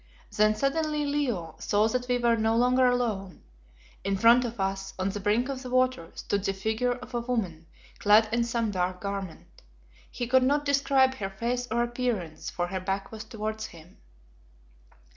Then, suddenly Leo saw that we were no longer alone. In front of us, on the brink of the water, stood the figure of a woman clad in some dark garment. He could not describe her face or appearance, for her back was towards him.